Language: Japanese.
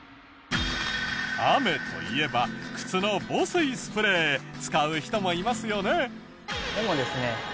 雨といえば靴の防水スプレー使う人もいますよね？